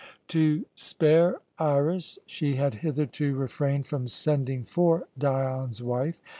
To spare Iras, she had hitherto refrained from sending for Dion's wife.